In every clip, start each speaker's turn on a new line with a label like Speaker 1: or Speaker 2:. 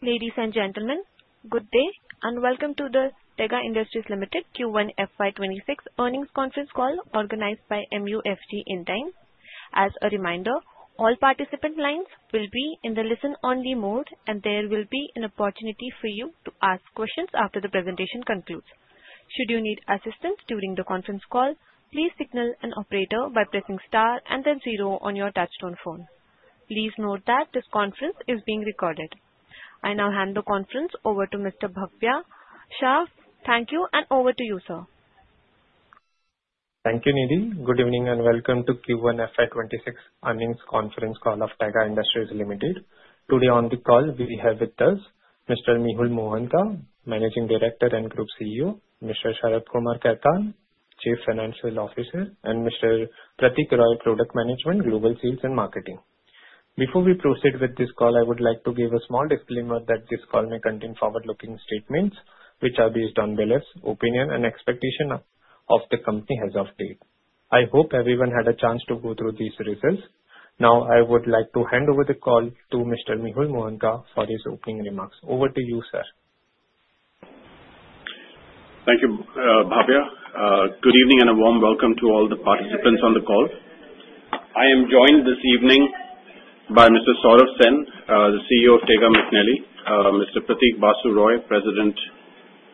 Speaker 1: Ladies and gentlemen, good day and welcome to the Tega Industries Limited Q1 FY 2026 Earnings Conference Call Organized by MUFG India. As a reminder, all participant lines will be in the listen-only mode, and there will be an opportunity for you to ask questions after the presentation concludes. Should you need assistance during the conference call, please signal an operator by pressing star and then 0 on your touch-tone phone. Please note that this conference is being recorded. I now hand the conference over to Mr. Bhavya Shah. Thank you, and over to you, sir.
Speaker 2: Thank you, Nidhi. Good evening and welcome to Q1 FY 2026 earnings conference call of Tega Industries Limited. Today on the call, we have with us Mr. Mehul Mohanka, Managing Director and Group CEO; Mr. Sharad Kumar Khaitan, Chief Financial Officer; and Mr. Pratik Roy, President, Product Group and Global Sales. Before we proceed with this call, I would like to give a small disclaimer that this call may contain forward-looking statements which are based on management's opinion and expectation of the company as of today. I hope everyone had a chance to go through these results. Now, I would like to hand over the call to Mr. Mehul Mohanka for his opening remarks. Over to you, sir.
Speaker 3: Thank you, Bhavya. Good evening and a warm welcome to all the participants on the call. I am joined this evening by Mr. Sourav Sen, the CEO of Tega McNally, Mr. Pratik Basu Roy, President,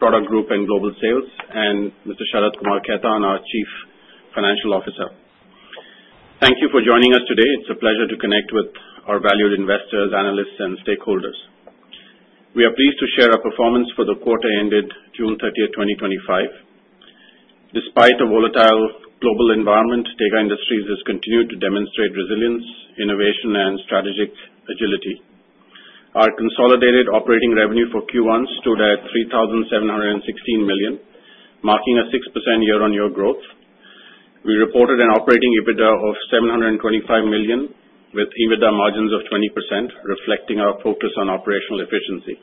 Speaker 3: Product Group and Global Sales, and Mr. Sharad Kumar Khaitan, our Chief Financial Officer. Thank you for joining us today. It's a pleasure to connect with our valued investors, analysts, and stakeholders. We are pleased to share our performance for the quarter ended 30 June 2025. Despite a volatile global environment, Tega Industries has continued to demonstrate resilience, innovation, and strategic agility. Our consolidated operating revenue for Q1 stood at 3,716 million, marking a 6% year-on-year growth. We reported an operating EBITDA of 725 million, with EBITDA margins of 20%, reflecting our focus on operational efficiency.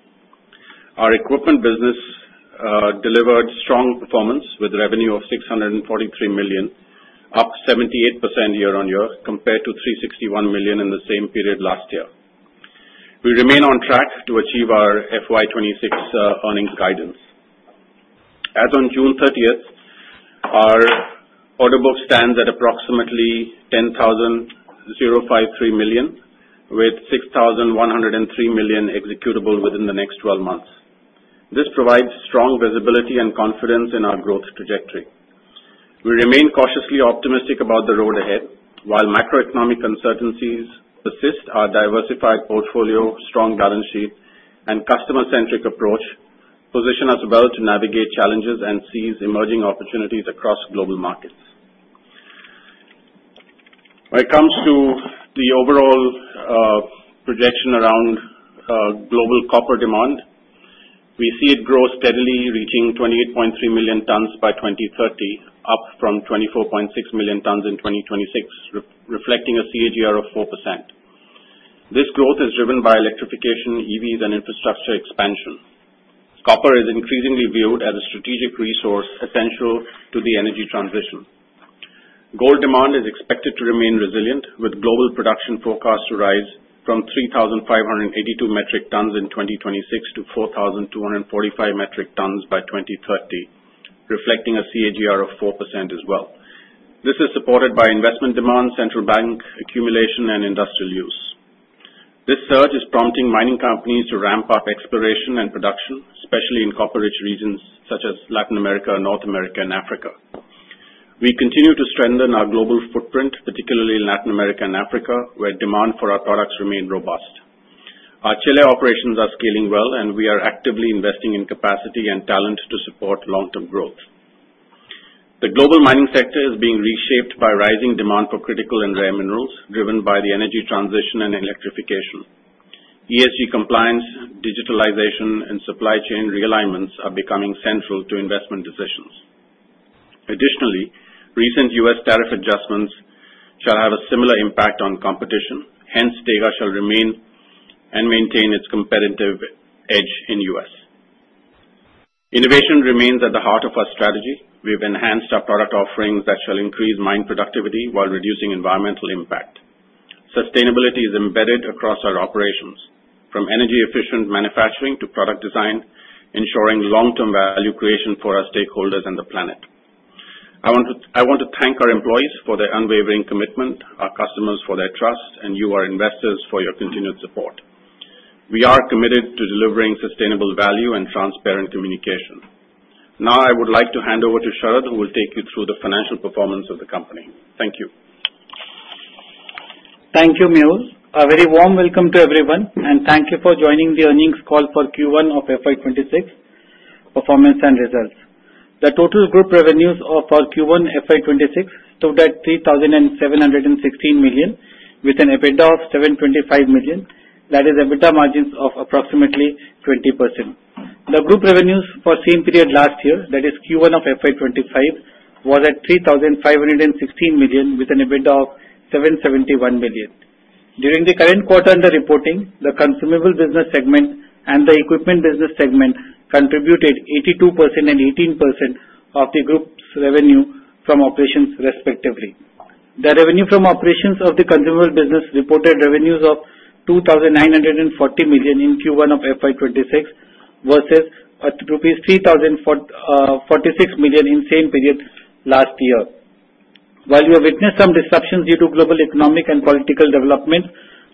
Speaker 3: Our equipment business delivered strong performance with a revenue of 643 million, up 78% year-on-year compared to 361 million in the same period last year. We remain on track to achieve our FY 2026 earnings guidance. As of 30 June, our order book stands at approximately 10,053 million, with 6,103 million executable within the next 12 months. This provides strong visibility and confidence in our growth trajectory. We remain cautiously optimistic about the road ahead. While macroeconomic uncertainties persist, our diversified portfolio, strong balance sheet, and customer-centric approach position us well to navigate challenges and seize emerging opportunities across global markets. When it comes to the overall projection around global copper demand, we see it grow steadily, reaching 28.3 million tons by 2030, up from 24.6 million tons in 2026, reflecting a CAGR of 4%. This growth is driven by electrification, EVs, and infrastructure expansion. Copper is increasingly viewed as a strategic resource essential to the energy transition. Gold demand is expected to remain resilient, with global production forecasts to rise from 3,582 metric tons in 2026 to 4,245 metric tons by 2030, reflecting a CAGR of 4% as well. This is supported by investment demand, central bank accumulation, and industrial use. This surge is prompting mining companies to ramp up exploration and production, especially in copper-rich regions such as Latin America, North America, and Africa. We continue to strengthen our global footprint, particularly in Latin America and Africa, where demand for our products remains robust. Our Chile operations are scaling well, and we are actively investing in capacity and talent to support long-term growth. The global mining sector is being reshaped by rising demand for critical and rare minerals driven by the energy transition and electrification. ESG compliance, digitalization, and supply chain realignments are becoming central to investment decisions. Additionally, recent U.S. tariff adjustments shall have a similar impact on competition. Hence, Tega shall remain and maintain its competitive edge in the US. Innovation remains at the heart of our strategy. We have enhanced our product offerings that shall increase mine productivity while reducing environmental impact. Sustainability is embedded across our operations, from energy-efficient manufacturing to product design, ensuring long-term value creation for our stakeholders and the planet. I want to thank our employees for their unwavering commitment, our customers for their trust, and you, our investors, for your continued support. We are committed to delivering sustainable value and transparent communication. Now, I would like to hand over to Sharad, who will take you through the financial performance of the company. Thank you.
Speaker 4: Thank you, Mehul. A very warm welcome to everyone, and thank you for joining the earnings call for Q1 of FY 2026 performance and results. The total group revenues for Q1 FY 2026 stood at 3,716 million, with an EBITDA of 725 million. That is EBITDA margins of approximately 20%. The group revenues for the same period last year, that is Q1 of FY 2025, was at 3,516 million, with an EBITDA of 771 million. During the current quarter under reporting, the consumable business segment and the equipment business segment contributed 82% and 18% of the group's revenue from operations, respectively. The revenue from operations of the consumable business reported revenues of 2,940 million rupees in Q1 of FY 2026 versus 3,046 million rupees in the same period last year. While we have witnessed some disruptions due to global economic and political developments,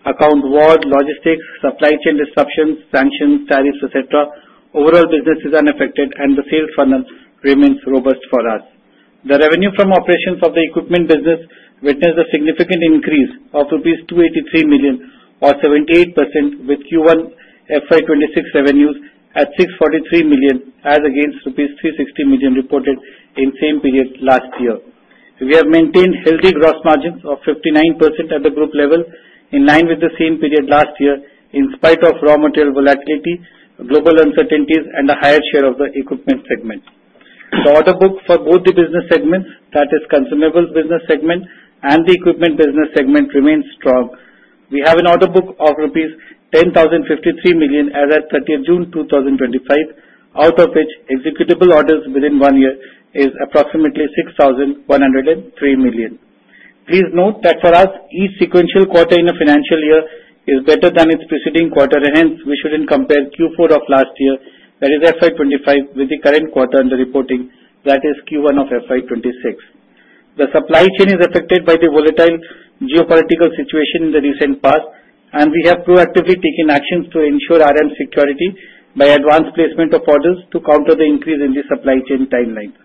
Speaker 4: Ukraine war, logistics, supply chain disruptions, sanctions, tariffs, etc., overall business is unaffected, and the sales funnel remains robust for us. The revenue from operations of the equipment business witnessed a significant increase of ₹283 million, or 78%, with Q1 FY 2026 revenues at ₹643 million, as against ₹360 million reported in the same period last year. We have maintained healthy gross margins of 59% at the group level, in line with the same period last year, in spite of raw material volatility, global uncertainties, and a higher share of the equipment segment. The order book for both the business segments, that is consumable business segment and the equipment business segment, remains strong. We have an order book of ₹10,053 million as of 30 June 2025, out of which executable orders within one year is approximately ₹6,103 million. Please note that for us, each sequential quarter in a financial year is better than its preceding quarter. Hence, we shouldn't compare Q4 of last year, that is FY 2025, with the current quarter under reporting, that is Q1 of FY 2026. The supply chain is affected by the volatile geopolitical situation in the recent past, and we have proactively taken actions to ensure RM security by advanced placement of orders to counter the increase in the supply chain timelines.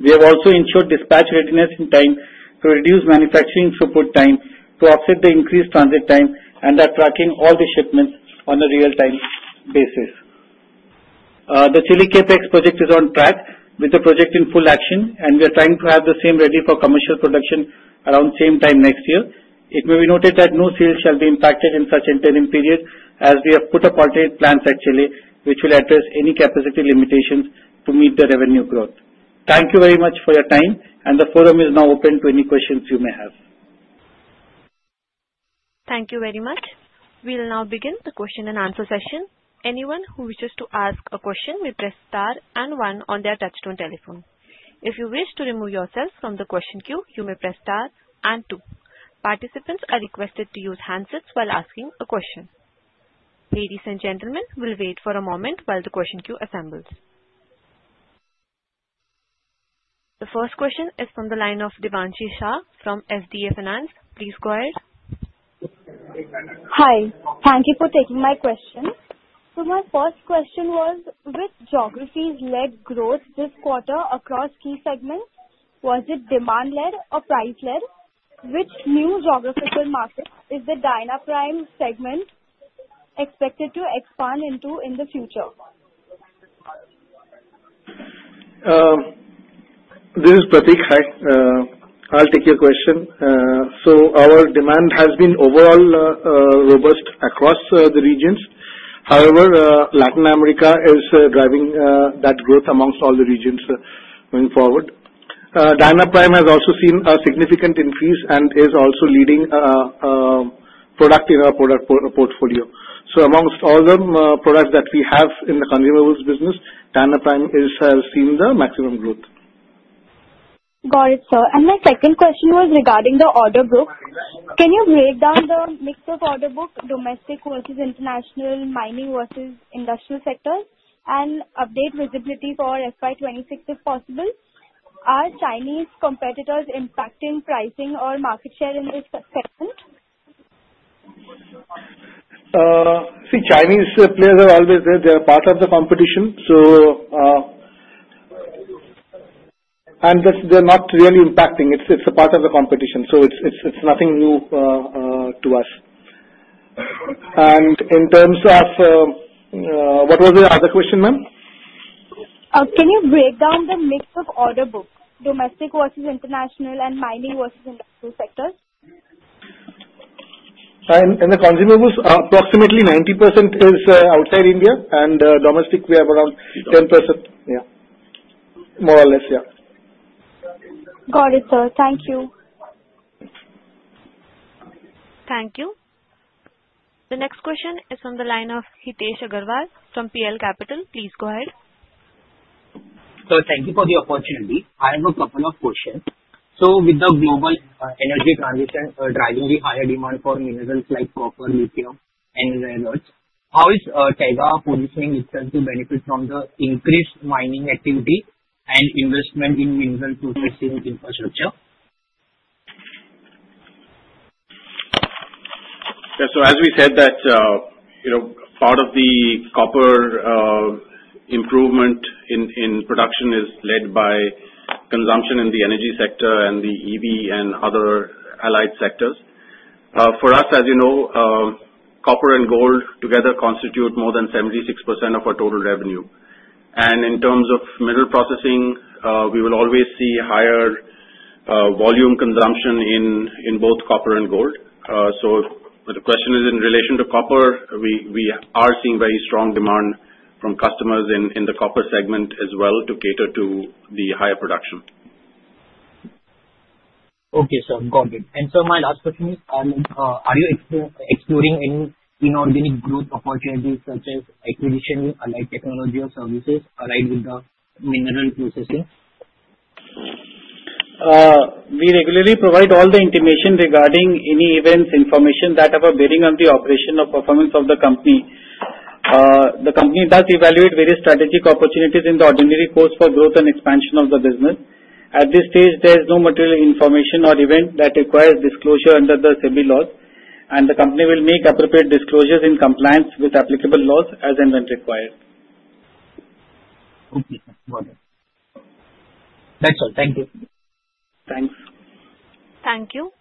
Speaker 4: We have also ensured dispatch readiness in time to reduce manufacturing throughput time to offset the increased transit time, and are tracking all the shipments on a real-time basis. The Chile CAPEX project is on track with the project in full action, and we are trying to have the same ready for commercial production around the same time next year. It may be noted that no sales shall be impacted in such interim period, as we have put up alternate plans at Chile, which will address any capacity limitations to meet the revenue growth. Thank you very much for your time, and the forum is now open to any questions you may have.
Speaker 1: Thank you very much. We'll now begin the question and answer session. Anyone who wishes to ask a question may press star and one on their touch-tone telephone. If you wish to remove yourself from the question queue, you may press star and two. Participants are requested to use handsets while asking a question. Ladies and gentlemen, we'll wait for a moment while the question queue assembles. The first question is from the line of Devanshi Shah from SDA Finance. Please go ahead.
Speaker 5: Hi. Thank you for taking my question. So my first question was, with geographies-led growth this quarter across key segments, was it demand-led or price-led? Which new geographical markets is the DynaPrime segment expected to expand into in the future?
Speaker 6: This is Pratik. I'll take your question. So our demand has been overall robust across the regions. However, Latin America is driving that growth among all the regions going forward. DynaPrime has also seen a significant increase and is also leading product in our product portfolio. So among all the products that we have in the consumables business, DynaPrime has seen the maximum growth.
Speaker 5: Got it, sir. And my second question was regarding the order book. Can you break down the mix of order book, domestic versus international, mining versus industrial sectors, and update visibility for FY 2026 if possible? Are Chinese competitors impacting pricing or market share in this segment?
Speaker 6: See, Chinese players have always said they are part of the competition, and they're not really impacting. It's a part of the competition, so it's nothing new to us. And in terms of what was the other question, ma'am?
Speaker 5: Can you break down the mix of order book, domestic versus international, and mining versus industrial sectors?
Speaker 6: In the consumables, approximately 90% is outside India, and domestic, we have around 10%. Yeah, more or less, yeah.
Speaker 5: Got it, sir. Thank you.
Speaker 1: Thank you. The next question is from the line of Hitesh Agarwal from PL Capital. Please go ahead.
Speaker 7: Sir, thank you for the opportunity. I have a couple of questions. So with the global energy transition driving the higher demand for minerals like copper, lithium, and rare earths, how is Tega positioning itself to benefit from the increased mining activity and investment in mineral tool machine infrastructure?
Speaker 3: Yeah, so as we said, that part of the copper improvement in production is led by consumption in the energy sector and the EV and other allied sectors. For us, as you know, copper and gold together constitute more than 76% of our total revenue. And in terms of mineral processing, we will always see higher volume consumption in both copper and gold. The question is in relation to copper; we are seeing very strong demand from customers in the copper segment as well to cater to the higher production.
Speaker 7: Okay, sir. Got it. And sir, my last question is, are you exploring any inorganic growth opportunities such as acquisition, allied technology, or services aligned with the mineral processing?
Speaker 4: We regularly provide all the information regarding any events, information that have a bearing on the operation or performance of the company. The company does evaluate various strategic opportunities in the ordinary course for growth and expansion of the business. At this stage, there is no material information or event that requires disclosure under the SEBI laws, and the company will make appropriate disclosures in compliance with applicable laws as and when required.
Speaker 7: Okay, sir. Got it. Thanks, sir. Thank you.
Speaker 6: Thanks.
Speaker 1: Thank you.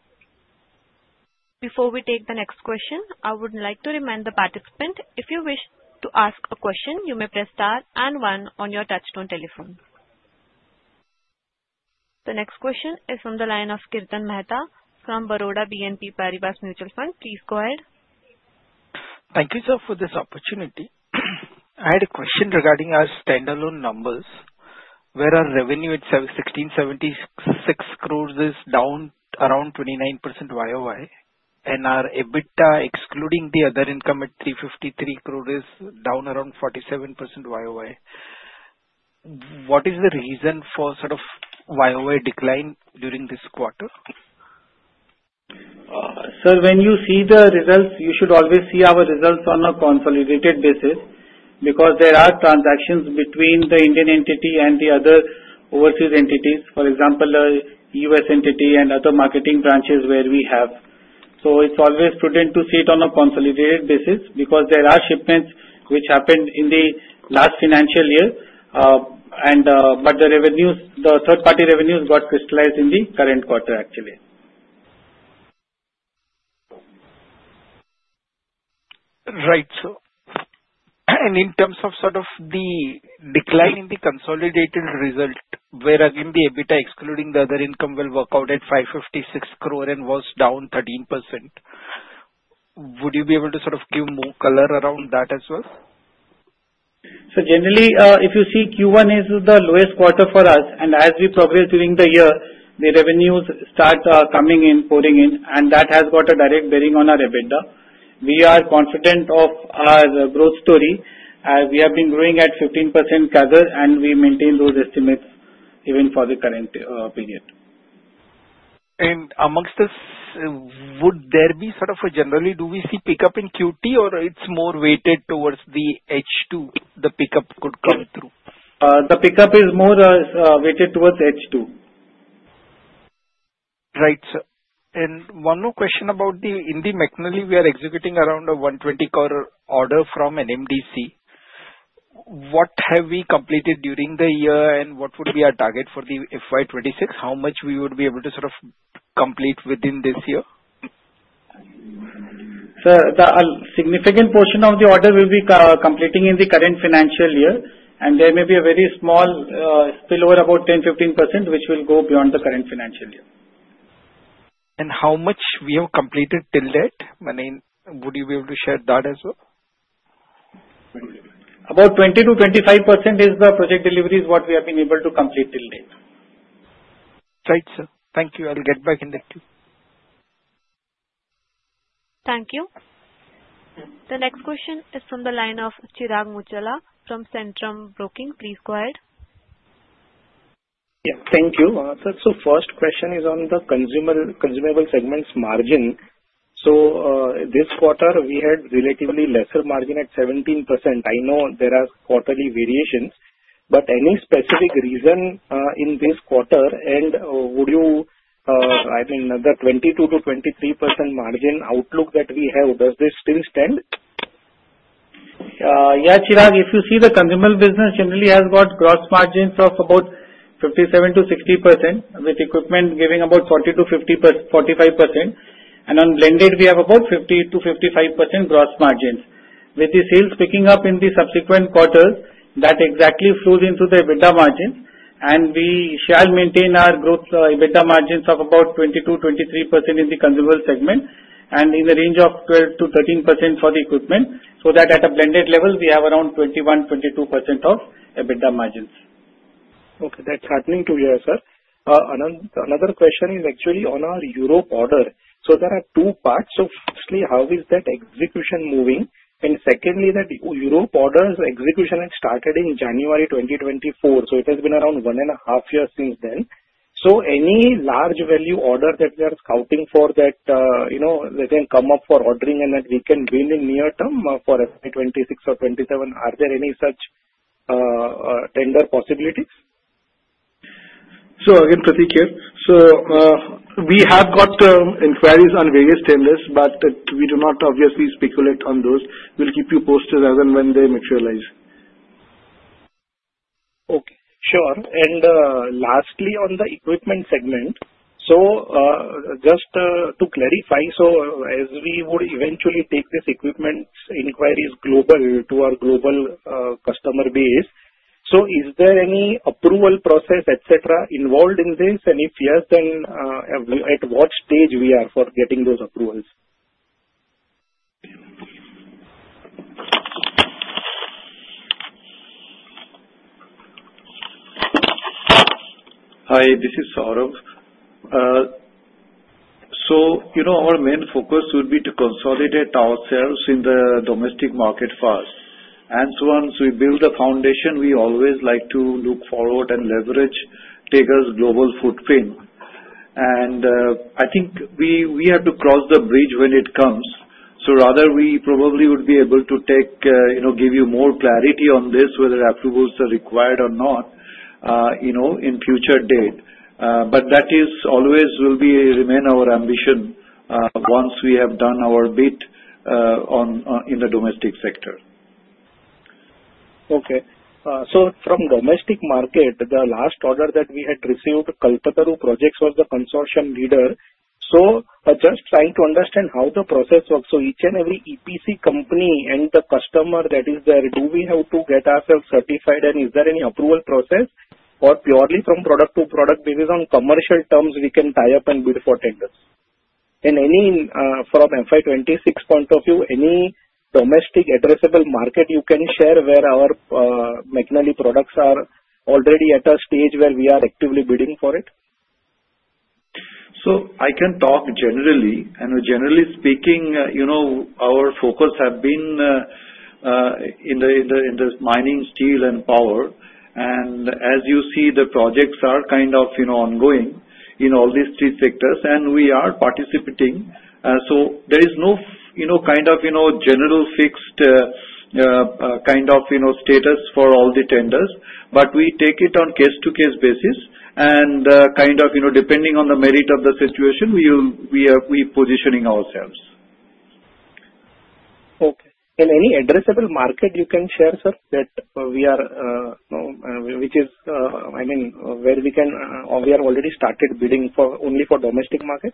Speaker 1: Before we take the next question, I would like to remind the participant, if you wish to ask a question, you may press star and one on your touch-tone telephone. The next question is from the line of Kirtan Mehta from Baroda BNP Paribas Mutual Fund. Please go ahead.
Speaker 8: Thank you, sir, for this opportunity. I had a question regarding our standalone numbers, where our revenue at 1,676 crores is down around 29% YOY, and our EBITDA, excluding the other income, at 353 crores is down around 47% YOY. What is the reason for sort of YOY decline during this quarter?
Speaker 4: Sir, when you see the results, you should always see our results on a consolidated basis because there are transactions between the Indian entity and the other overseas entities, for example, U.S. entity and other marketing branches where we have, so it's always prudent to see it on a consolidated basis because there are shipments which happened in the last financial year, but the third-party revenues got crystallized in the current quarter, actually.
Speaker 8: Right, sir. And in terms of sort of the decline in the consolidated result, where again the EBITDA, excluding the other income, will work out at 556 crore and was down 13%, would you be able to sort of give more color around that as well?
Speaker 4: So generally, if you see, Q1 is the lowest quarter for us, and as we progress during the year, the revenues start coming in, pouring in, and that has got a direct bearing on our EBITDA. We are confident of our growth story. We have been growing at 15% CAGR, and we maintain those estimates even for the current period.
Speaker 8: Among this, would there be sort of a generally, do we see pickup in QT, or it's more weighted towards the H2? The pickup could come through.
Speaker 4: The pickup is more weighted towards H2.
Speaker 8: Right, sir. And one more question about the Tega McNally. We are executing around a 120-crore order from NMDC. What have we completed during the year, and what would be our target for the FY 2026? How much we would be able to sort of complete within this year?
Speaker 4: Sir, a significant portion of the order we'll be completing in the current financial year, and there may be a very small spillover, about 10% to 15%, which will go beyond the current financial year.
Speaker 8: How much we have completed till date? I mean, would you be able to share that as well?
Speaker 4: About 20% to 25% is the project deliveries that we have been able to complete till date.
Speaker 8: Right, sir. Thank you. I'll get back in the queue.
Speaker 1: Thank you. The next question is from the line of Chirag Muchhala from Centrum Broking. Please go ahead.
Speaker 9: Yeah. Thank you, sir. So first question is on the consumables segment's margin. So this quarter, we had relatively lesser margin at 17%. I know there are quarterly variations, but any specific reason in this quarter, and would you—I mean, the 22% to 23% margin outlook that we have, does this still stand?
Speaker 4: Yeah, Chirag, if you see, the consumable business generally has got gross margins of about 57% to 60%, with equipment giving about 40% to 45%. And on blended, we have about 50% to 55% gross margins. With the sales picking up in the subsequent quarters, that exactly flows into the EBITDA margins, and we shall maintain our growth EBITDA margins of about 22% to 23% in the consumable segment and in the range of 12% to 13% for the equipment, so that at a blended level, we have around 21% to 22% of EBITDA margins.
Speaker 9: Okay. That's happening too here, sir. Another question is actually on our Europe order. So there are two parts. So firstly, how is that execution moving? And secondly, that Europe order's execution had started in January 2024, so it has been around one and a half years since then. So any large value order that we are scouting for that can come up for ordering and that we can win in near term for FY 2026 or FY2027, are there any such tender possibilities?
Speaker 6: So again, Pratik here. So we have got inquiries on various tenders, but we do not obviously speculate on those. We'll keep you posted as and when they materialize.
Speaker 9: Okay. Sure. And lastly, on the equipment segment, so just to clarify, so as we would eventually take this equipment inquiries global to our global customer base, so is there any approval process, etc., involved in this? And if yes, then at what stage we are for getting those approvals?
Speaker 10: Hi, this is Sourav. So our main focus would be to consolidate ourselves in the domestic market first. And so once we build the foundation, we always like to look forward and leverage Tega's global footprint. And I think we have to cross the bridge when it comes. So rather, we probably would be able to give you more clarity on this, whether approvals are required or not in future date. But that always will remain our ambition once we have done our bit in the domestic sector.
Speaker 9: Okay. So from domestic market, the last order that we had received, Kalpataru Projects was the consortium leader. So just trying to understand how the process works. So each and every EPC company and the customer that is there, do we have to get ourselves certified, and is there any approval process, or purely from product to product based on commercial terms we can tie up and bid for tenders? And from FY 2026 point of view, any domestic addressable market you can share where our McNally products are already at a stage where we are actively bidding for it?
Speaker 10: So I can talk generally. And generally speaking, our focus has been in the mining, steel, and power. And as you see, the projects are kind of ongoing in all these three sectors, and we are participating. So there is no kind of general fixed kind of status for all the tenders, but we take it on case-to-case basis. And kind of depending on the merit of the situation, we are positioning ourselves.
Speaker 9: Okay. And any addressable market you can share, sir, that we are - I mean, where we can - or we have already started bidding only for domestic market?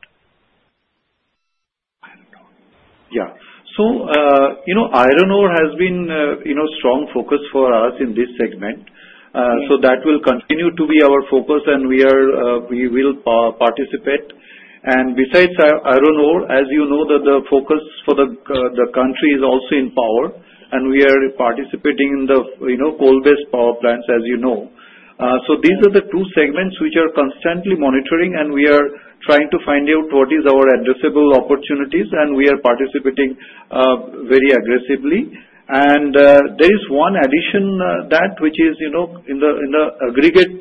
Speaker 10: Yeah. So iron ore has been a strong focus for us in this segment. So that will continue to be our focus, and we will participate. And besides iron ore, as you know, the focus for the country is also in power, and we are participating in the coal-based power plants, as you know. So these are the two segments which are constantly monitoring, and we are trying to find out what are our addressable opportunities, and we are participating very aggressively. And there is one addition to that, which is in the aggregate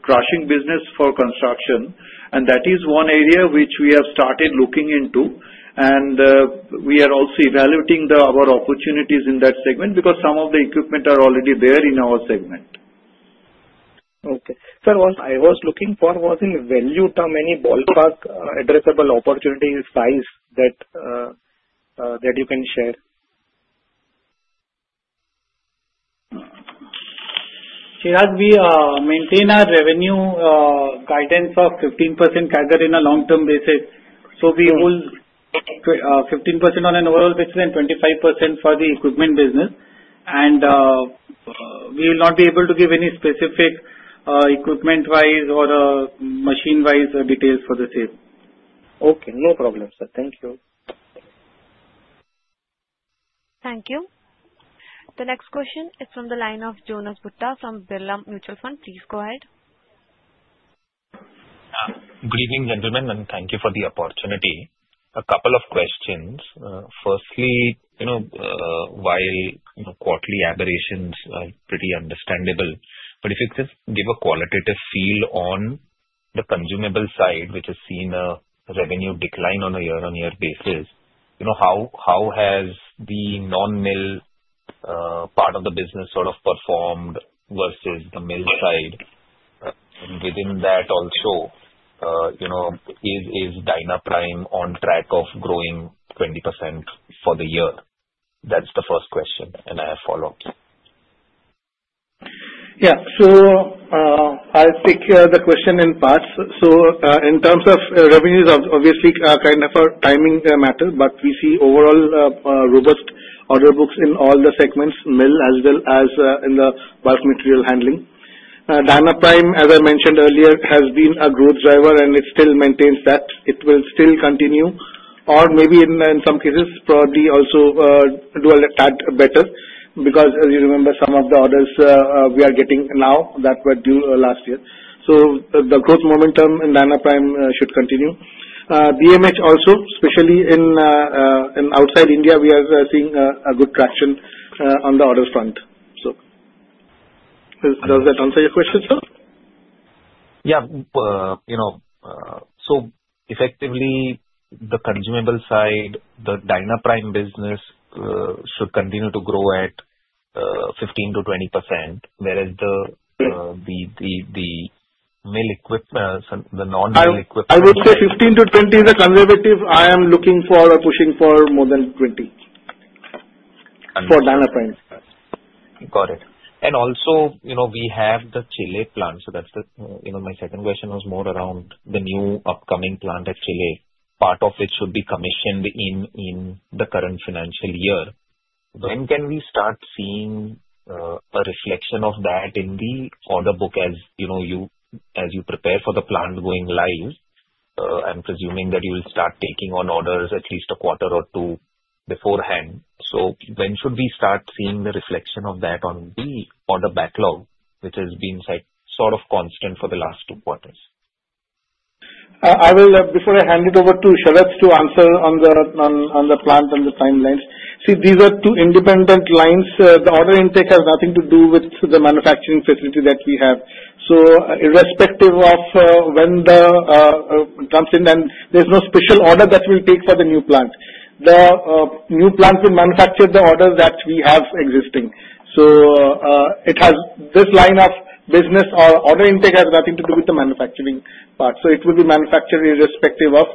Speaker 10: crushing business for construction, and that is one area which we have started looking into. And we are also evaluating our opportunities in that segment because some of the equipment are already there in our segment.
Speaker 9: Okay. Sir, what I was looking for was in value terms, any ballpark addressable opportunity size that you can share?
Speaker 4: Chirag, we maintain our revenue guidance of 15% CAGR in a long-term basis. So we hold 15% on an overall basis and 25% for the equipment business. And we will not be able to give any specific equipment-wise or machine-wise details for the sale.
Speaker 9: Okay. No problem, sir. Thank you.
Speaker 1: Thank you. The next question is from the line of Jonas Bhutta from Birla Mutual Fund. Please go ahead.
Speaker 11: Good evening, gentlemen, and thank you for the opportunity. A couple of questions. Firstly, while quarterly aberrations are pretty understandable, but if you could just give a qualitative feel on the consumable side, which has seen a revenue decline on a year-on-year basis, how has the non-mill part of the business sort of performed versus the mill side? And within that also, is DynaPrime on track of growing 20% for the year? That's the first question, and I have follow-ups.
Speaker 6: Yeah. So I'll take the question in parts. So in terms of revenues, obviously, kind of a timing matter, but we see overall robust order books in all the segments, mill as well as in the bulk material handling. DynaPrime, as I mentioned earlier, has been a growth driver, and it still maintains that. It will still continue, or maybe in some cases, probably also do a tad better because, as you remember, some of the orders we are getting now that were due last year. So the growth momentum in DynaPrime should continue. BMH also, especially outside India, we are seeing good traction on the order front. So does that answer your question, sir?
Speaker 11: Yeah. So effectively, the consumable side, the DynaPrime business should continue to grow at 15% to 20%, whereas the mill equipment, the non-mill equipment.
Speaker 6: I would say 15 to 20 is a conservative. I am looking for or pushing for more than 20 for DynaPrime.
Speaker 11: Got it. And also, we have the Chile plant. So that's my second question was more around the new upcoming plant at Chile, part of which should be commissioned in the current financial year. When can we start seeing a reflection of that in the order book as you prepare for the plant going live? I'm presuming that you will start taking on orders at least a quarter or two beforehand. So when should we start seeing the reflection of that on the order backlog, which has been sort of constant for the last two quarters?
Speaker 6: Before I hand it over to Sharad to answer on the plant and the timelines, see, these are two independent lines. The order intake has nothing to do with the manufacturing facility that we have. So irrespective of when the—and there's no special order that we'll take for the new plant. The new plant will manufacture the orders that we have existing. So this line of business or order intake has nothing to do with the manufacturing part. So it will be manufactured irrespective of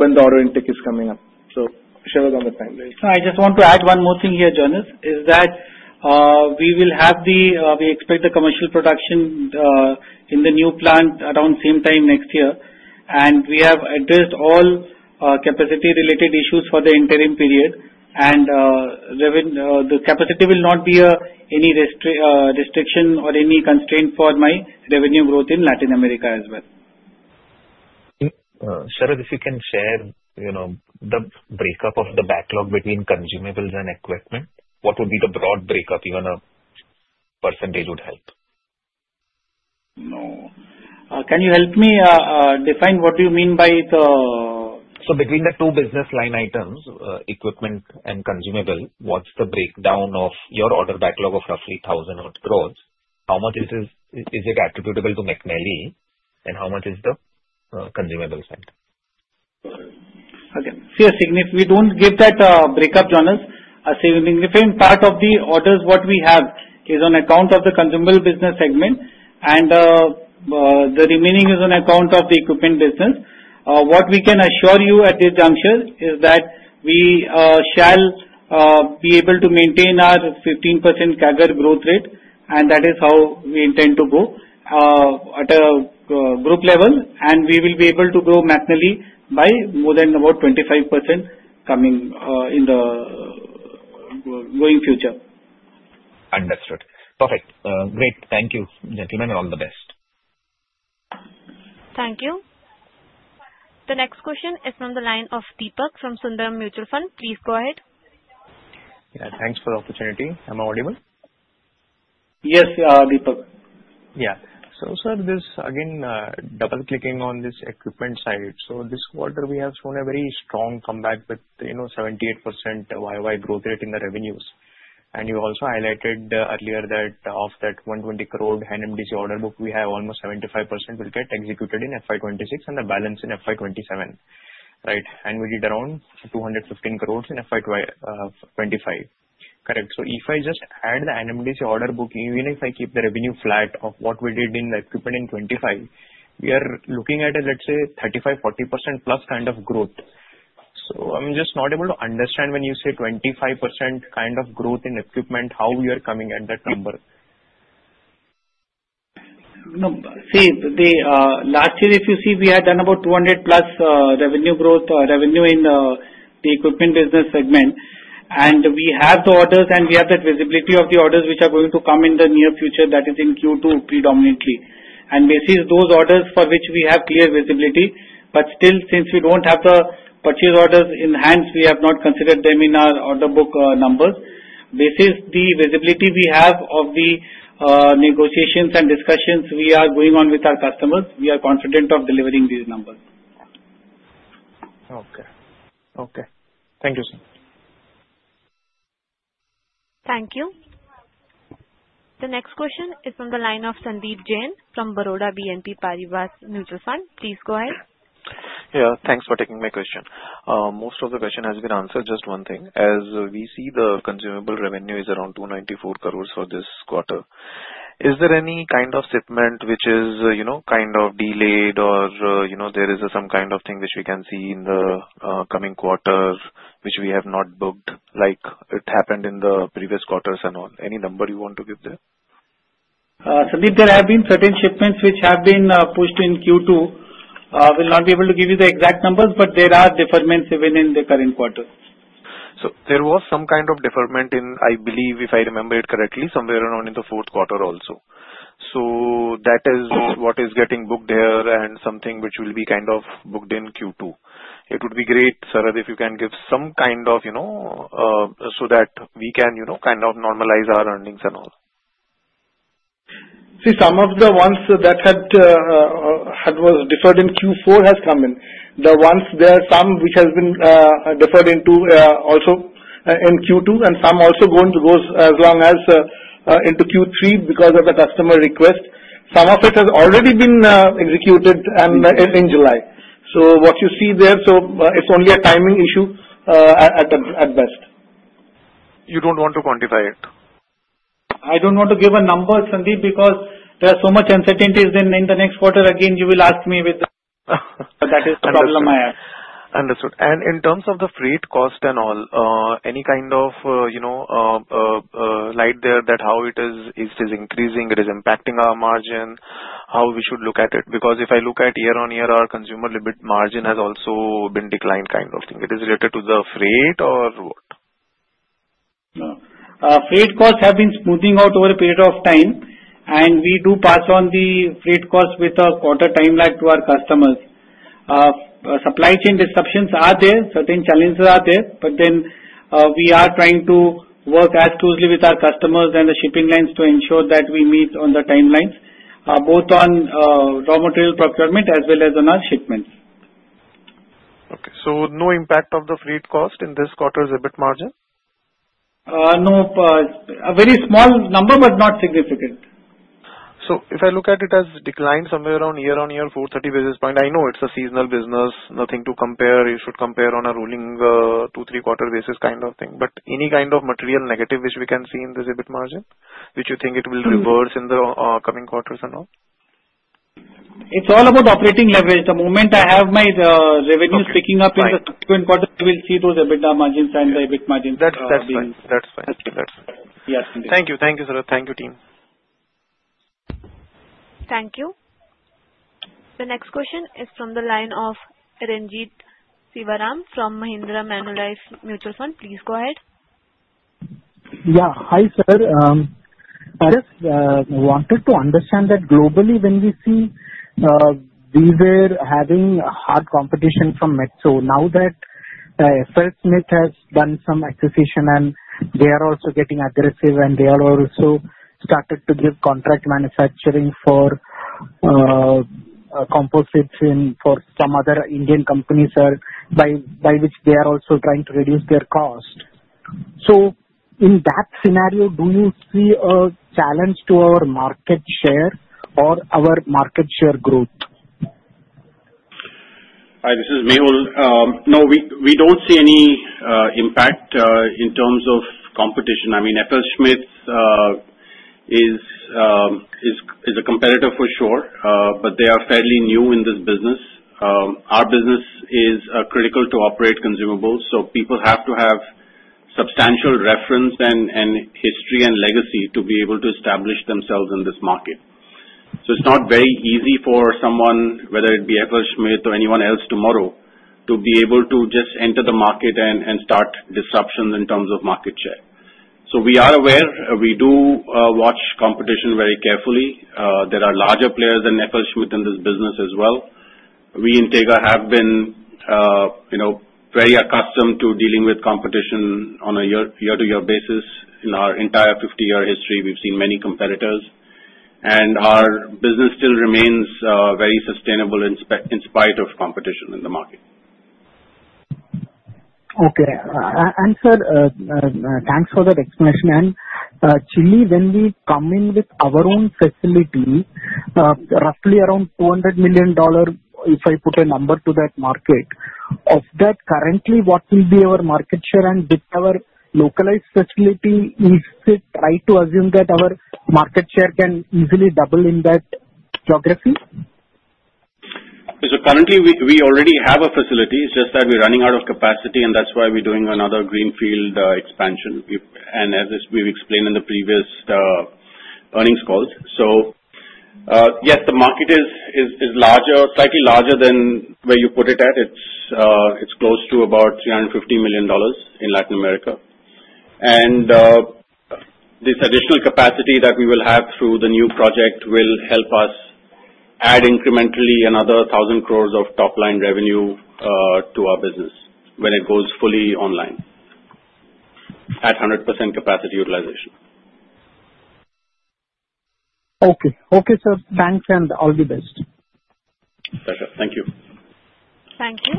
Speaker 6: when the order intake is coming up. So Sharad on the timelines.
Speaker 4: I just want to add one more thing here, Jonas, is that we will have the—we expect the commercial production in the new plant around same time next year. And we have addressed all capacity-related issues for the interim period. And the capacity will not be any restriction or any constraint for my revenue growth in Latin America as well.
Speaker 11: Sharad, if you can share the breakup of the backlog between consumables and equipment, what would be the broad breakup? Even a percentage would help.
Speaker 4: No. Can you help me define what do you mean by the?
Speaker 11: So between the two business line items, equipment and consumable, what's the breakdown of your order backlog of roughly 1,000 crore? How much is it attributable to McNally, and how much is the consumable side?
Speaker 4: Okay. We don't give that breakup, Jonas. A significant part of the orders what we have is on account of the consumable business segment, and the remaining is on account of the equipment business. What we can assure you at this juncture is that we shall be able to maintain our 15% CAGR growth rate, and that is how we intend to go at a group level, and we will be able to grow McNally by more than about 25% coming in the going future.
Speaker 11: Understood. Perfect. Great. Thank you, gentlemen, and all the best.
Speaker 1: Thank you. The next question is from the line of Deepak from Sundaram Mutual Fund. Please go ahead.
Speaker 12: Yeah. Thanks for the opportunity. Am I audible?
Speaker 4: Yes, you're audible.
Speaker 12: Yeah. So sir, again, double-clicking on this equipment side. So this quarter, we have shown a very strong comeback with 78% YoY growth rate in the revenues. And you also highlighted earlier that of that 120 crore NMDC order book, we have almost 75% will get executed in FY 2026 and the balance in FY 2027, right? And we did around 215 crores in FY 2025. Correct. So if I just add the NMDC order book, even if I keep the revenue flat of what we did in the equipment in 25, we are looking at, let's say, 35% to 40% plus kind of growth. So I'm just not able to understand when you say 25% kind of growth in equipment, how we are coming at that number.
Speaker 4: See, last year, if you see, we had done about 200-plus revenue growth, revenue in the equipment business segment. And we have the orders, and we have that visibility of the orders which are going to come in the near future that is in Q2 predominantly. And basically, those orders for which we have clear visibility, but still, since we don't have the purchase orders in hand, we have not considered them in our order book numbers. Basically, the visibility we have of the negotiations and discussions we are going on with our customers. We are confident of delivering these numbers.
Speaker 12: Okay. Okay. Thank you, sir.
Speaker 1: Thank you. The next question is from the line of Sandeep Jain from Baroda BNP Paribas Mutual Fund. Please go ahead.
Speaker 13: Yeah. Thanks for taking my question. Most of the question has been answered. Just one thing. As we see, the consumable revenue is around 294 crores for this quarter. Is there any kind of shipment which is kind of delayed, or there is some kind of thing which we can see in the coming quarter which we have not booked like it happened in the previous quarters and all? Any number you want to give there?
Speaker 4: Sandeep, there have been certain shipments which have been pushed in Q2. I will not be able to give you the exact numbers, but there are deferments even in the current quarter.
Speaker 13: So there was some kind of deferment in, I believe, if I remember it correctly, somewhere around in the Q4 also. So that is what is getting booked here and something which will be kind of booked in Q2. It would be great, Sharad, if you can give some kind of so that we can kind of normalize our earnings and all.
Speaker 6: See, some of the ones that were deferred in Q4 have come in. There are some which have been deferred into also in Q2, and some also go as long as into Q3 because of the customer request. Some of it has already been executed in July, so what you see there, so it's only a timing issue at best.
Speaker 13: You don't want to quantify it?
Speaker 4: I don't want to give a number, Sandeep, because there are so much uncertainties in the next quarter. Again, you will ask me with the. That is the problem I have.
Speaker 13: Understood. And in terms of the freight cost and all, any kind of light there that how it is increasing, it is impacting our margin, how we should look at it? Because if I look at year-on-year, our consumables liner margin has also been declined kind of thing. It is related to the freight or what?
Speaker 4: No. Freight costs have been smoothing out over a period of time, and we do pass on the freight costs with a quarter timeline to our customers. Supply chain disruptions are there. Certain challenges are there, but then we are trying to work as closely with our customers and the shipping lines to ensure that we meet on the timelines, both on raw material procurement as well as on our shipments.
Speaker 13: Okay. So no impact of the freight cost in this quarter's EBIT margin?
Speaker 4: No. A very small number, but not significant.
Speaker 13: So if I look at it as declined somewhere around year-on-year 430 basis point, I know it's a seasonal business. Nothing to compare. You should compare on a rolling two- to three-quarter basis kind of thing. But any kind of material negative which we can see in this EBIT margin, which you think it will reverse in the coming quarters and all?
Speaker 6: It's all about operating leverage. The moment I have my revenues picking up in the Q2, we will see those EBITDA margins and the EBIT margins will be down.
Speaker 13: That's fine. That's fine.
Speaker 4: Yeah.
Speaker 13: Thank you. Thank you, Sir. Thank you, team.
Speaker 1: Thank you. The next question is from the line of Renjith Sivaram from Mahindra Manulife Mutual Fund. Please go ahead.
Speaker 14: Yeah. Hi sir. I just wanted to understand that globally, when we see we were having hard competition from Metso, now that FLSmidth has done some acquisition and they are also getting aggressive and they have also started to give contract manufacturing for composites for some other Indian companies, sir, by which they are also trying to reduce their cost. So in that scenario, do you see a challenge to our market share or our market share growth?
Speaker 3: Hi, this is Mehul. No, we don't see any impact in terms of competition. I mean, FLSmidth is a competitor for sure, but they are fairly new in this business. Our business is critical to operate consumables, so people have to have substantial reference and history and legacy to be able to establish themselves in this market. So it's not very easy for someone, whether it be FLSmidth or anyone else tomorrow, to be able to just enter the market and start disruptions in terms of market share. So we are aware. We do watch competition very carefully. There are larger players than FLSmidth in this business as well. We in Tega have been very accustomed to dealing with competition on a year-to-year basis. In our entire 50-year history, we've seen many competitors, and our business still remains very sustainable in spite of competition in the market.
Speaker 14: Okay. And sir, thanks for that explanation. And Chile, when we come in with our own facility, roughly around $200 million, if I put a number to that market, of that currently, what will be our market share and with our localized facility, is it right to assume that our market share can easily double in that geography?
Speaker 3: Currently, we already have a facility. It's just that we're running out of capacity, and that's why we're doing another greenfield expansion, as we've explained in the previous earnings calls. Yes, the market is larger, slightly larger than where you put it at. It's close to about $350 million in Latin America. This additional capacity that we will have through the new project will help us add incrementally another 1,000 crores of top-line revenue to our business when it goes fully online at 100% capacity utilization.
Speaker 14: Okay. Okay, sir. Thanks, and all the best.
Speaker 3: Pleasure. Thank you.
Speaker 1: Thank you.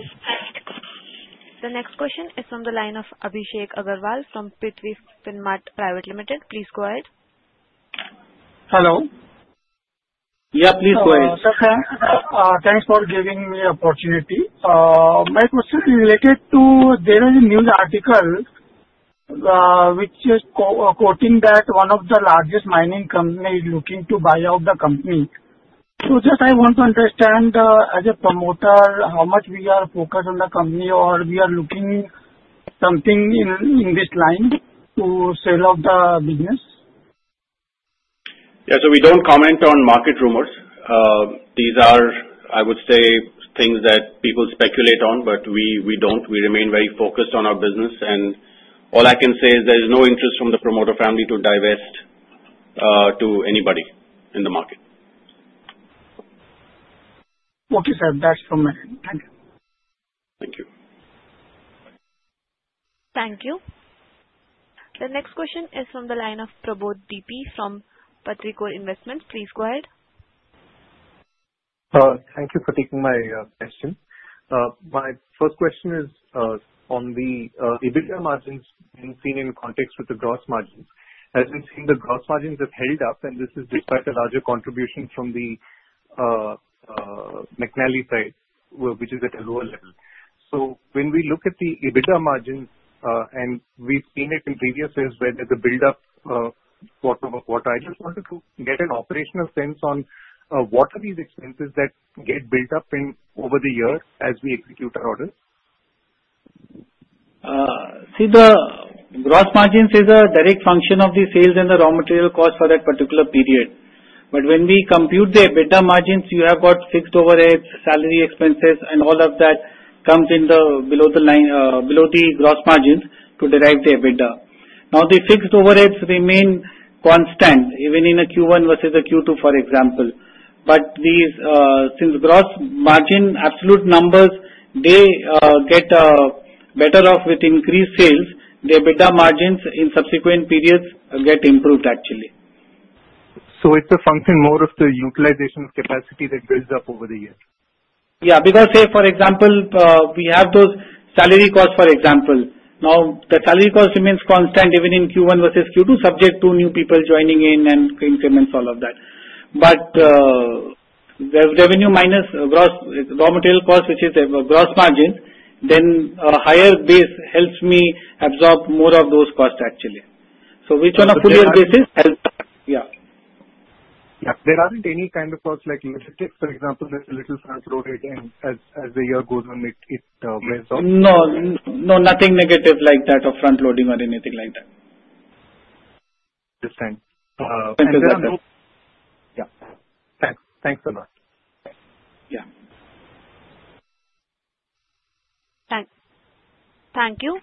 Speaker 1: The next question is from the line of Abhishek Agarwal from Prithvi Finmart Private Limited. Please go ahead.
Speaker 15: Hello.
Speaker 3: Yeah, please go ahead.
Speaker 15: Thanks for giving me the opportunity. My question is related to there is a news article which is quoting that one of the largest mining companies is looking to buy out the company. So just I want to understand, as a promoter, how much we are focused on the company or we are looking at something in this line to sell out the business?
Speaker 3: Yeah. So we don't comment on market rumors. These are, I would say, things that people speculate on, but we don't. We remain very focused on our business. And all I can say is there is no interest from the promoter family to divest to anybody in the market.
Speaker 15: Okay, sir. That's from my end. Thank you.
Speaker 3: Thank you.
Speaker 1: Thank you. The next question is from the line of Prabodh DP from Petrichor Investments. Please go ahead.
Speaker 16: Thank you for taking my question. My first question is on the EBITDA margins being seen in context with the gross margins. As we've seen, the gross margins have held up, and this is despite a larger contribution from the McNally side, which is at a lower level. So when we look at the EBITDA margins, and we've seen it in previous years where there's a build-up, what I just wanted to get an operational sense on what are these expenses that get built up over the years as we execute our orders?
Speaker 4: See, the gross margins is a direct function of the sales and the raw material cost for that particular period. But when we compute the EBITDA margins, you have got fixed overheads, salary expenses, and all of that comes below the gross margins to derive the EBITDA. Now, the fixed overheads remain constant, even in a Q1 versus a Q2, for example. But since gross margin absolute numbers, they get better off with increased sales, the EBITDA margins in subsequent periods get improved, actually.
Speaker 16: So it's a function more of the utilization capacity that builds up over the years?
Speaker 4: Yeah. Because, say, for example, we have those salary costs, for example. Now, the salary cost remains constant even in Q1 versus Q2, subject to new people joining in and increments, all of that. But the revenue minus raw material cost, which is a gross margin, then a higher base helps me absorb more of those costs, actually. So which one of two years basis? Yeah.
Speaker 16: Yeah. There aren't any kind of costs like negative, for example, like a little front-loaded as the year goes on, it wears off?
Speaker 4: No. No, nothing negative like that or front-loading or anything like that.
Speaker 16: Understand. Yeah. Thanks. Thanks a lot.
Speaker 4: Yeah.
Speaker 1: Thank you.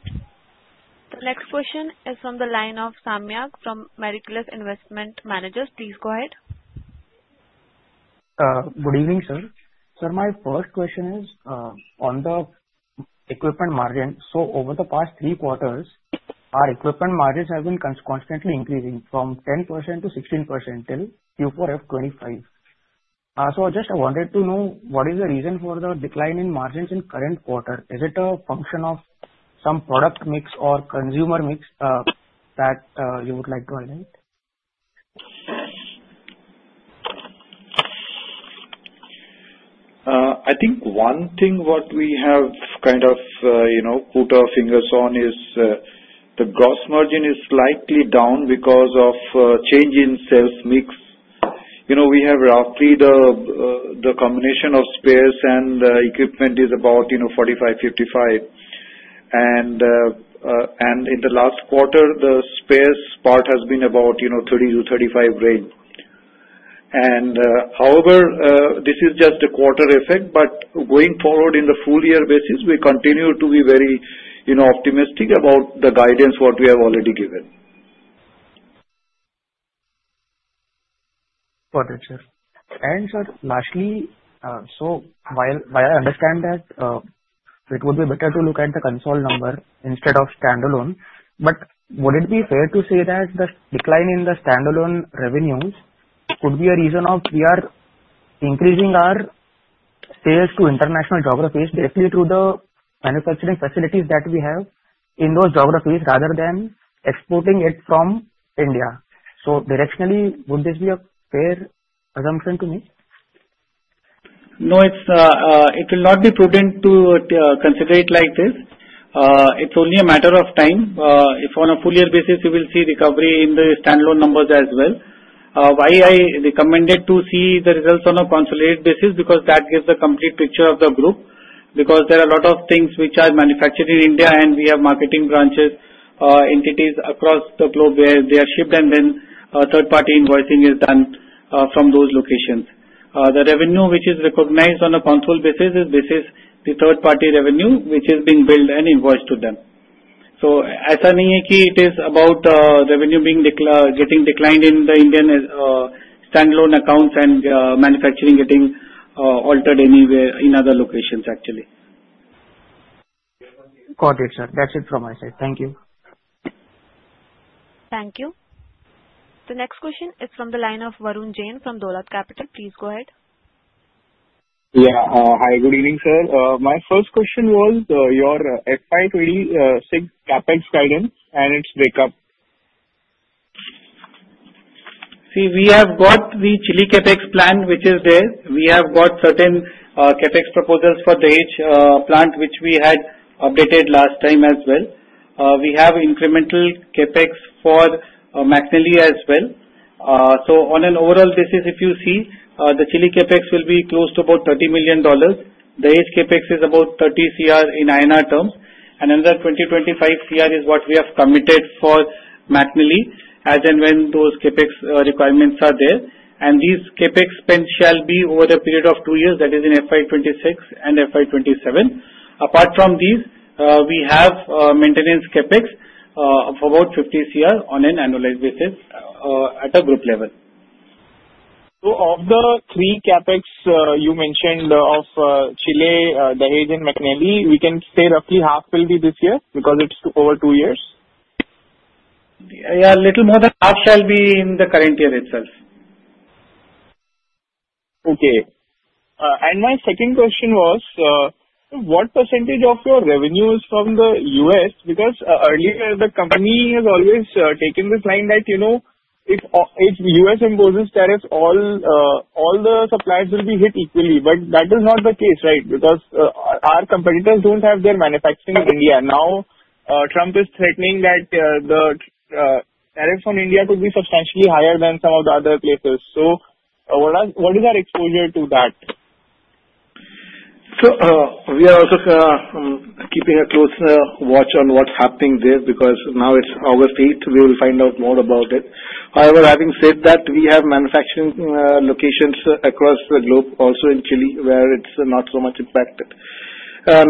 Speaker 1: The next question is from the line of Samyak from Marcellus Investment Managers. Please go ahead.
Speaker 17: Good evening, sir. Sir, my first question is on the equipment margin. So over the past three quarters, our equipment margins have been constantly increasing from 10% to 16% till Q4 of 2025. So just I wanted to know what is the reason for the decline in margins in current quarter? Is it a function of some product mix or customer mix that you would like to highlight?
Speaker 10: I think one thing what we have kind of put our fingers on is the gross margin is slightly down because of change in sales mix. We have roughly the combination of spares and equipment is about 45 to 55. In the last quarter, the spares part has been about 30 to 35 grand. However, this is just a quarter effect, but going forward in the full-year basis, we continue to be very optimistic about the guidance what we have already given.
Speaker 17: Got it, sir. And sir, lastly, so while I understand that it would be better to look at the consolidated number instead of standalone, but would it be fair to say that the decline in the standalone revenues could be a reason of we are increasing our sales to international geographies basically through the manufacturing facilities that we have in those geographies rather than exporting it from India? So directionally, would this be a fair assumption to me?
Speaker 4: No, it will not be prudent to consider it like this. It's only a matter of time. If on a full-year basis, you will see recovery in the standalone numbers as well. Why I recommended to see the results on a consolidated basis? Because that gives a complete picture of the group. Because there are a lot of things which are manufactured in India, and we have marketing branches, entities across the globe where they are shipped, and then third-party invoicing is done from those locations. The revenue which is recognized on a consolidated basis is basically third-party revenue which is being billed and invoiced to them. So it is about revenue getting declined in the Indian standalone accounts and manufacturing getting accelerated in other locations, actually.
Speaker 17: Got it, sir. That's it from my side. Thank you.
Speaker 1: Thank you. The next question is from the line of Varun Jain from Dolat Capital. Please go ahead.
Speaker 18: Yeah. Hi, good evening, sir. My first question was your FY 2026 CapEx guidance and its breakup.
Speaker 4: See, we have got the Chile CAPEX plan which is there. We have got certain CAPEX proposals for Dahej plant which we had updated last time as well. We have incremental CAPEX for McNally as well. So on an overall basis, if you see, the Chile CAPEX will be close to about $30 million. Dahej CAPEX is about 30 CR in INR terms. And another 20 to 25 CR is what we have committed for McNally as and when those CAPEX requirements are there. And these CAPEX spend shall be over a period of two years, that is in FY 2026 and FY 2027. Apart from these, we have maintenance CAPEX of about 50 CR on an annualized basis at a group level.
Speaker 18: So of the three CAPEX you mentioned of Chile, Dahej, and McNally, we can say roughly half will be this year because it's over two years?
Speaker 4: Yeah, a little more than half shall be in the current year itself.
Speaker 18: Okay. And my second question was, what percentage of your revenue is from the US? Because earlier, the company has always taken this line that if U.S. imposes tariffs, all the suppliers will be hit equally. But that is not the case, right? Because our competitors don't have their manufacturing in India. Now, Trump is threatening that the tariffs on India could be substantially higher than some of the other places. So what is our exposure to that?
Speaker 6: So we are also keeping a closer watch on what's happening there because now it's August 8th. We will find out more about it. However, having said that, we have manufacturing locations across the globe, also in Chile, where it's not so much impacted.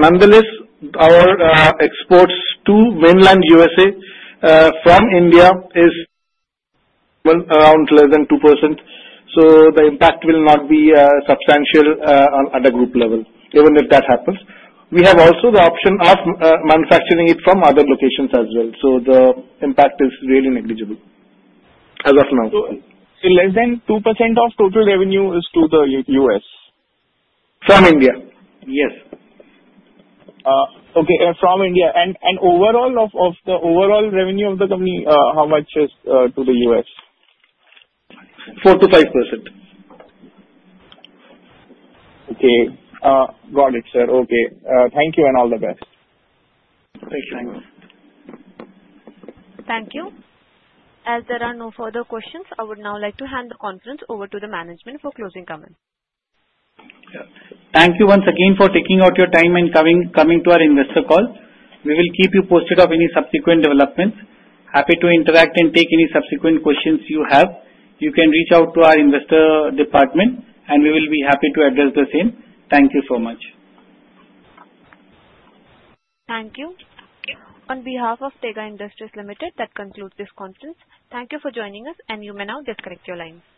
Speaker 6: Nonetheless, our exports to mainland USA from India is around less than 2%. So the impact will not be substantial on other group level, even if that happens. We have also the option of manufacturing it from other locations as well. So the impact is really negligible as of now.
Speaker 18: So less than 2% of total revenue is to the US?
Speaker 6: From India.
Speaker 18: Yes. Okay. From India. And the overall revenue of the company, how much is to the US?
Speaker 4: 4% to 5%.
Speaker 18: Okay. Got it, sir. Okay. Thank you and all the best.
Speaker 4: Thank you. Thanks.
Speaker 1: Thank you. As there are no further questions, I would now like to hand the conference over to the management for closing comments.
Speaker 4: Thank you once again for taking out your time and coming to our investor call. We will keep you posted of any subsequent developments. Happy to interact and take any subsequent questions you have. You can reach out to our investor department, and we will be happy to address the same. Thank you so much.
Speaker 1: Thank you. On behalf of Tega Industries Limited, that concludes this conference. Thank you for joining us, and you may now disconnect your line.